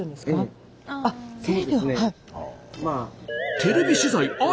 テレビ取材あり。